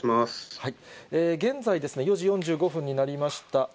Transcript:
現在、４時４５分になりました。